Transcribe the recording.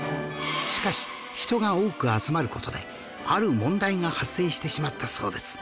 しかし人が多く集まる事である問題が発生してしまったそうです